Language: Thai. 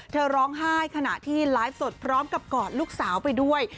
เธอร้องไห้ขณะที่ไลฟ์สดพร้อมกับกอดลูกสาวไปด้วย